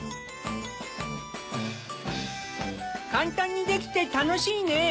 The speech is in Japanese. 簡単にできて楽しいね。